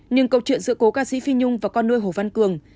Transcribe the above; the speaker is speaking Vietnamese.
nhưng câu chuyện giữa cô ca sĩ phi nhung và con nuôi hồ văn cường